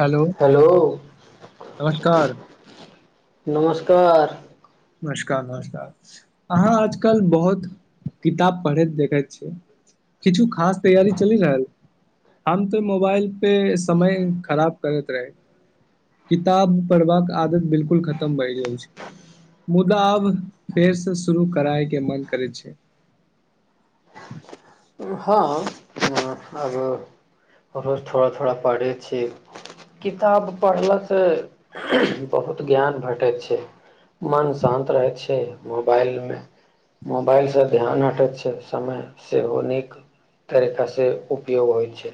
Hello नमस्कार नमस्कार नमस्कार नमस्कार अहाँ आजकल बहुत किताब पढ़ैत देखैत छी किछु खास तैयारी चलि रहल हम तऽ मोबाइलपे समय खराब करैत रही किताब पढ़बाक आदत बिलकुल खतम भए गेल छै मुदा आब फेरसँ शुरू कराय के मन करै छै हँ आब रोज थोड़ा थोड़ा पढ़ै छी किताब पढ़लासँ बहुत ज्ञान भेटै छै मन शान्त रहै छै मोबाइलमे मोबाइलसँ ध्यान हटै छै समय सेहो नीक तरीकां से उयोग होइ छै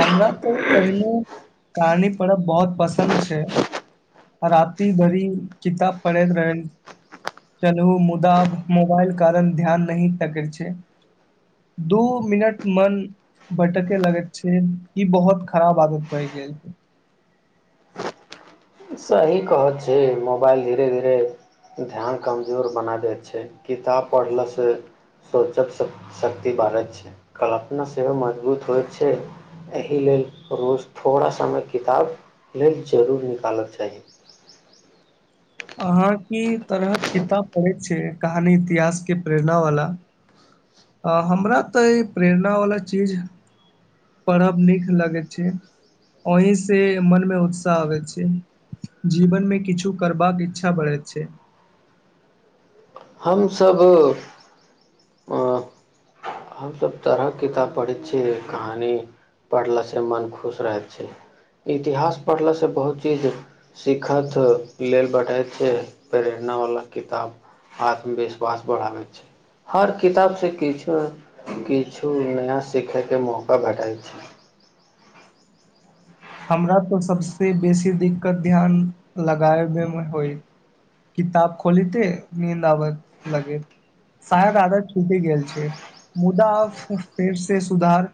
हमरा तऽ पहिले कहानी पढ़ब बहुत पसन्द छै राति भरि किताब पढ़ैत रहै चलू मुदा मोबाइल कारण ध्यान नही टकैत छै दू मिनट मन भटेके लगैत छै ई बहुत खराब आदत भए गेल सही कहैत छी मोबाइल धीरे धीरे ध्यान कमजोर बनाबैत छै किताब पढ़लासँ सोचक शक्ति बढ़ैत छै कल्पना सेहो मजबूत होइत छै एहि लेल रोज थोड़ा समय किताब लेल जरूर निकालत चाहि अहाँ की तरह किताब पढ़ै छी कहानी इतिहास के प्रेरणा वाला आ हमरा तऽ प्रेरण वालला चीज पढ़ब नीक लगै छै ओहिसे मनमे उत्साह आबै छै जीवनमे किछु करबाक इच्छा बढ़ै छै हमसभ हमसभ तरहक किताब पढ़ैत छियै कहानी पढ़लाासँ मन खुश रहैत छै इतिहास पढ़लाासँ बहुत चीज सिखत लेल बैठत छी प्रेरणा वला किताब आत्मविश्वास बढ़ाबैत छै हर किताबसँ किछु किछु नया सीखयके मौका भेटाइत छै हमरा तऽ सबसे बेसी दिक्कत ध्यान लगाबे मे होइ किताब खोलिते नीद आबय लगे शायद आदत छूटि गेल छै मुदा फेर से सुधार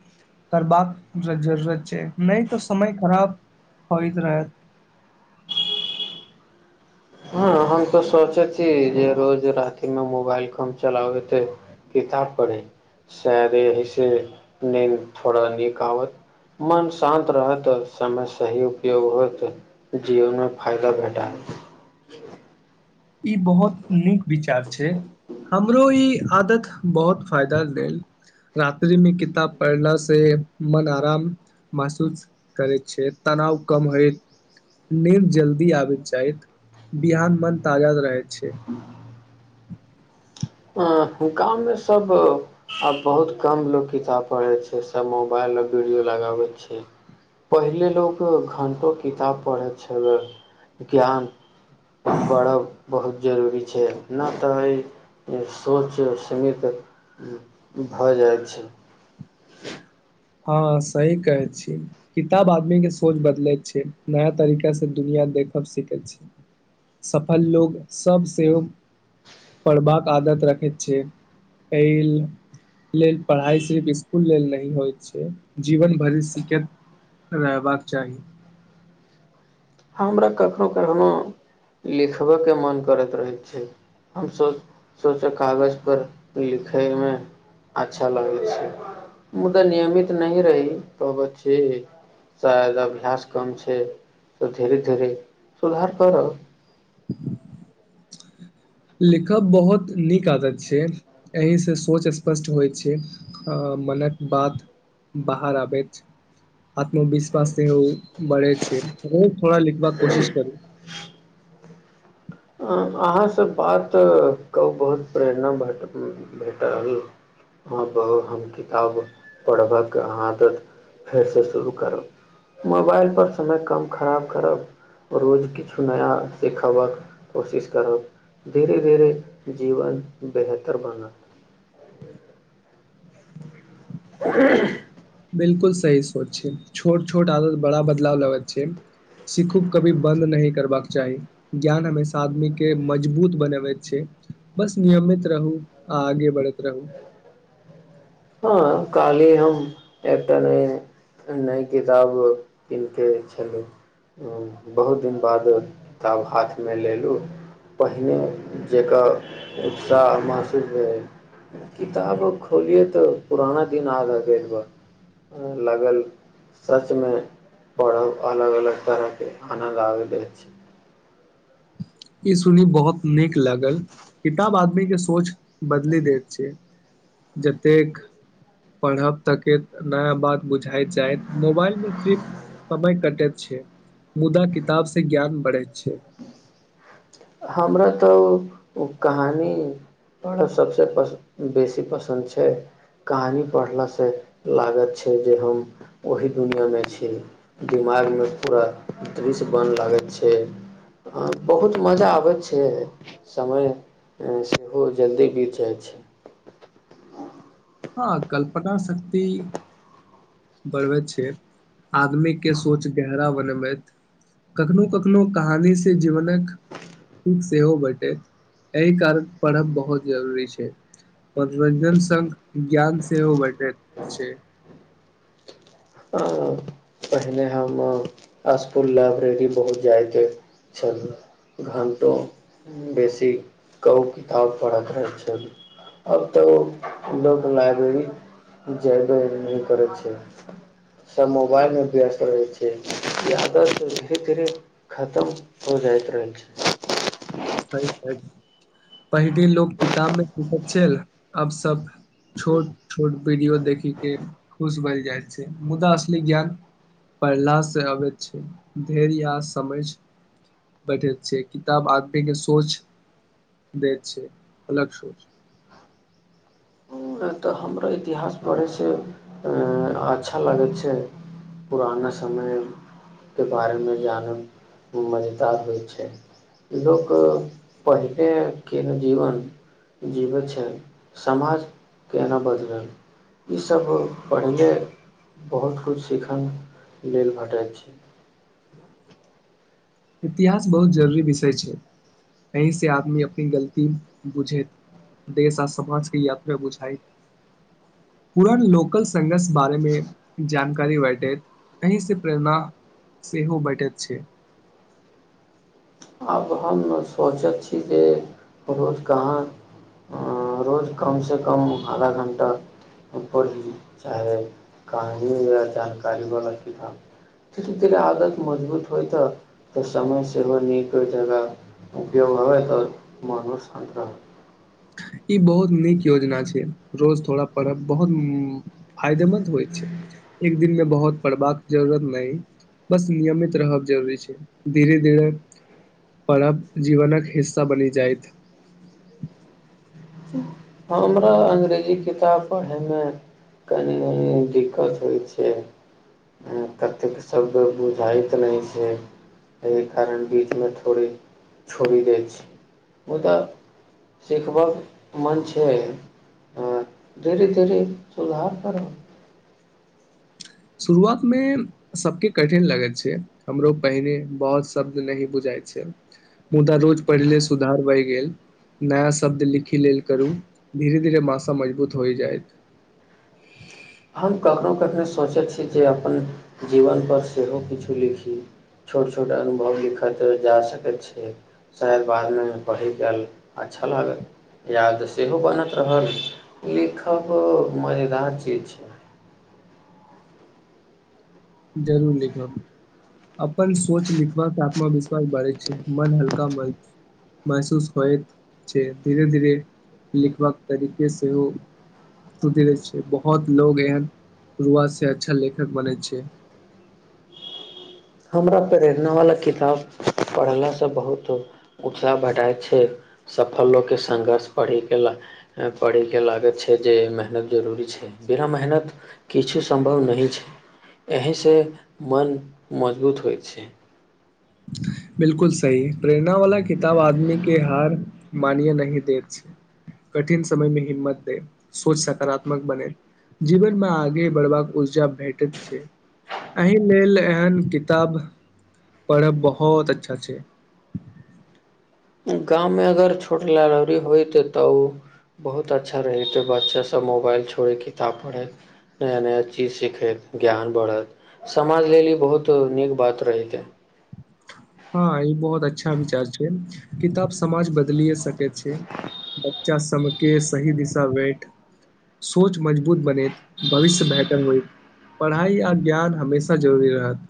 करबाक जरूरत छै नहि तऽ समय खराब होइत रहत हँ हम त सोचै छी जे रोज रातिमे मोबाइल कम चलाबैत किताब पढ़ी शायद एहिसँ नीद थोड़ा नीक आबत मन शान्त रहत समय सही उपयोग होत जीवनमे फायदा भेटात ई बहुत नीक विचार छै हमरो ई आदत बहुत फायदा लेल रात्रि मे किताब पढ़ला से मन आराम महसूस करैत छै तनाव कम होयत नींद जल्दी आबैत जाइत बिहान मन ताजा रहै छै हँ गाममे सभ आ बहुत कम लोक किताब पढ़ै छै सभ मोबाइल आ वीडियो लगाबै छै पहिले लोक घण्टो किताब पढ़ै छैले ज्ञान बड़ बहुत जरूरी छै न तऽ ई सोच सीमित भऽ जाइ छै हँ सही कहै छी किताब आदमी के सोच बदलैत छै नया तरीका से दुनिया देखब सीखे छै सफल लोग सब सेहो पढ़बाक आदत रखैत छै एहि लेल पढ़ाई सिर्फ स्कुल लेल नही होइ छै जीवन भरि सीखैत रहबाक चाहि हमरा कखनोहु कखनोहु लिखबयके मोन करैत रहैत छै हम सो सोचऽ कागजपर लिखयमे अच्छा लगै छै मुदा नियमित नहि रही पबैत छी शायद अभ्यास कम छै तऽ धीरे धीरे सुधार करब लिखब बहुत नीक आदत छै एहिसँ सोच स्पष्ट होइ छै मनक बात बाहर आबैत छै आत्मविश्वास सेहो बढ़ै छै रोज थोड़ा लिखबाक कोशिश करू अं अहाँसँ बात क बहुत प्रेरणा भेट भेटल हँ हम किताब पढ़बक आदत फेरसँ शुरू करब मोबाइलपर समय कम खराब करब रोज किछु नया सिखबक कोशिश करब धीरे धीरे जीवन बेहतर बनत [inaudible] बिल्कुल सही सोच छै छोट छोट आदत बड़ा बदलाव लाबैत छै सिखू कभी बन्द नहि करबाक चाही ज्ञान हमेशा आदमीके मजबूत बनबैत छै बस नियमित रहू आ आगे बढ़ैत रहू हँ काल्हि हम एकटा नहि नय किताब कीन कऽ छलहुँ बहुत दिन बाद किताब हाथमे लेलहुँ पहिने जकर उत्साह महसूस भेल किताब खोलियै तऽ पुराना दिन आगाँ देखब लागल सचमे पढ़ब अलग अलग तरहके आनन्द आबैत अछि ई सुनी बहुत नीक लागल किताब आदमीक के सोच बदली दैत छै जतेक पढ़ब तके नया बात बुझाइत जाय मोबाइलमे सिर्फ समय कटैत छै मुदा किताब से ज्ञान बढ़ैत छै हमरा तऽ कहानी बड़ा सभसँ पसन्द बेसी पसन्द छै कहानी पढ़लासँ लागत छै जे हम ओही दुनिआँमे छी दिमागमे पूरा दृश्य बन लागैत छै बहुत मजा आब छै समय सेहो जल्दी बित जाइ छै हँ कल्पना शक्ति बढ़बैत छै आदमीके सोच गहरा बनबैत कखनो कखनो कहानी से जीवनक ठीक सेहो बेटैत एहि कारण पढ़ब बहुत जरूरी छै मनोरञजन संग ज्ञान सेहो भेटैत छै हँ, पहिने हम स्कूल लाइब्रेरी बहुत जाइत छलहूँ घणटो बेसी क किताब पढ़ैत रहै छलहुँ अब तऽ लोक लाइब्रेरी जेबे नहि करै छै सब मोबाइलमे व्यस्त रहै छै ई आदत धीरे धीरे खतम हो जाइत रहै छै पहिले लोक किताब मे सीखैत छल अब सब छोट छोट वीडियो देखी के खुश भए जाइत छै मुदा असली ज्ञान पढ़ला से अबैत छै धैर्य या समझ बैठैत छै किताब आ सोच देत छै अलग सोच छै तऽ हमर इतिहास बढ़ैसँ अच्छा लगै छै पुराना समयके बारेमे जानै मजेदार होइ छै लोक पहिलेके ने जीवन जीबै छै समाज। केना बदलल ईसभ पहिले बहुत किछ सिखन लेल भेटैत छै। इतिहास बहुत जरूरी विषय छै एहिीसँ आदमी अपनी गलती बुझैत देश आ समाजके यात्रा बुझाइत पुरान लोकल संघर्ष बारेमे जानकारी बँटैत एहिीसँ प्रेरणा सेहो बेटैत छै। आब हम सोचैत छी जे रोज कहाँ रोज कमसँ कम आधा घण्टा पढ़ी चाहे कहानी या जानकारीवला किताब धीरे धीरे आदत मजबूत होइततऽ तऽ समय सेहो नीक ओ जगापिय भ तऽ मनष शान्त रह रह। [unintelligible] ई बहुत नीक योजना छै रोज थोड़ा पढ़ब बहुत फायदेमंन्द होइत छै एक दिन मे बहुत पढ़बाक जरूरत नहि बस नियमित रहब जरूरी छै धीरे धीरे पढ़ब जीवनक हिस्सा बनि जाय। हमरा अंग्रेजी किताब पढ़े मे कनि दिक्कत होइ छै कतेक सब बुझाइत नहि छै एहि कारण बीच मे थोड़े छोड़ि देय छी मुदा सिखब मन छै से अंय धीरे धीरे सुधार करब शुरुआतमे सबके कठिन लगैत छै हमरो पहिने बहुत शब्द नही बुझाइत छै मुदा रोज पढ़य लेल सुधार बढ़ि गेल नया शब्द लिखी लेल करू धीरे धीरे मशा मजबूत होय जायइत खने सोचैत छी जे अपन जीवन पर सेहो किछु लिखी छोट छोट अनुभव लिखैत जा सकैत छै शायद बादमे पढ़ैके अच्छा लागल याद सेहो बनत रहल लिखब मजेदार चीज छै जरूर लिखब अपन सोच लिखबा से आत्मविश्वास बढ़ै छै मन हल्का म महसूस होइत छै धीरे धीरे लिखबाक तरीके सेहो सुधरे छै बहुत लोग एहन शुरुआत से अच्छा लेखक बनै छै हमरा प्रेरणावला किताब पढ़लासँ बहुत उत्साह भेटाइत छै सफल लोकके सङ्घर्ष पढ़यके ला पढ़यके लागैत छै जे मेहनत जरूरी छै बिना मेहनत किछु सम्भव नहि छै एहिसँ मन मजबूत होइत छै बिलकुल सही प्रेरणा वाला किताब आदमी के हार मानय नहि देैत छै कठिन समय मे हिम्मत दे सोच सकारात्मक बने जीवन मे आगे बढ़बाक ऊर्जा भेटैत छै एहि लेल एहन किताब पढ़ब बहुत बहुत अच्छा छै। गाँवमे अगर छोट लाइब्ररी होइत तऽ ओ बहुत अच्छा रहैत बच्चासभ मोबाइल छोड़ैत किताब पढ़ैत नया नया चीज सीखैत ज्ञान बढ़त समाज लेल ई बहुत नीक बात रहितै हँ ई बहुत अच्छा विचार छै किताब समाज बदलिए सकै छै बच्चा सभके सही दिशा बैठ सोच मजबूत बनेैत भविष्य बेहतर होय पढ़ाई आ ज्ञान हमेशा जरूरी रहत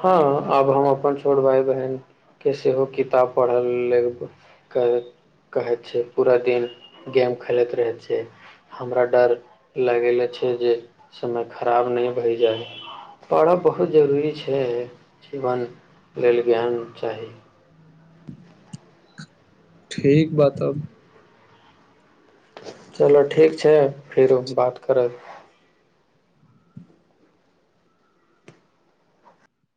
हँ आब हम अपन छोट भााय बहिनके सेहो किताब पढ़ लेब कहैत कहैत छै पूरा दिन गेम खेलैत रहैत छै हमरा डर लगेले छै जे समय खराब नहि भए जाय पढ़ब बहुत जरूरी छै से जीवन लेल ज्ञान चाही ठीक बात अब चलु ठीक छै फिर बात करब